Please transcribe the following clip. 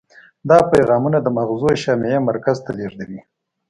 دا پیغامونه د مغزو شامعي مرکز ته لیږدوي.